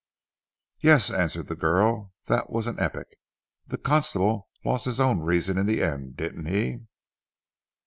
"Yes," answered the girl. "That was an epic. The constable lost his own reason in the end, didn't he?"